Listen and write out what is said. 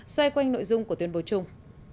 xoay quanh nội dung của tuyên bố chung